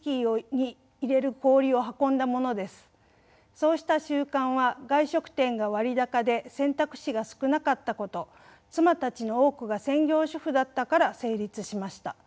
そうした習慣は外食店が割高で選択肢が少なかったこと妻たちの多くが専業主婦だったから成立しました。